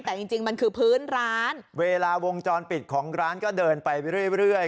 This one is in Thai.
แต่จริงจริงมันคือพื้นร้านเวลาวงจรปิดของร้านก็เดินไปเรื่อยเรื่อย